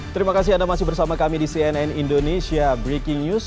terima kasih anda masih bersama kami di cnn indonesia breaking news